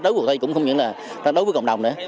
đối với công đồng nữa